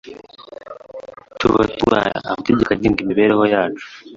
tuba turwanya amategeko agenga imibereho yacu,